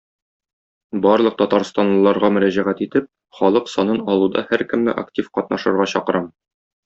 Барлык татарстанлыларга мөрәҗәгать итеп, халык санын алуда һәркемне актив катнашырга чакырам.